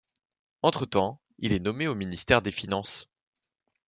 Entretemps, il est nommé au ministère des Finances.